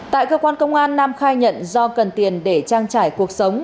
tại cơ quan công an nam khai nhận do cần tiền để trang trải cuộc sống